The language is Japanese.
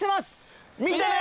見てね。